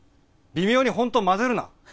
微妙に本当を混ぜるな！